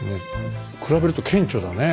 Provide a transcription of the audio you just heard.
比べると顕著だね